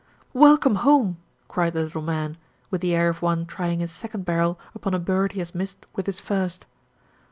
"Welcome home!" cried the little man, with the air of one trying his second barrel upon a bird he has missed with his first.